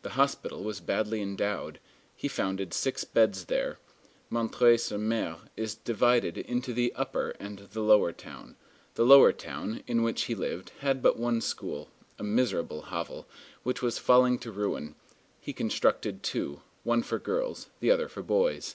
The hospital was badly endowed; he founded six beds there. M. sur M. is divided into the upper and the lower town. The lower town, in which he lived, had but one school, a miserable hovel, which was falling to ruin: he constructed two, one for girls, the other for boys.